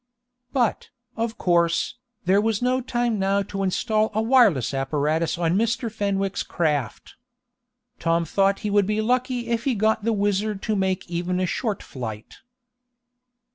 But, of course, there was no time now to install a wireless apparatus on Mr. Fenwick's craft. Tom thought he would be lucky if he got the WHIZZER to make even a short flight.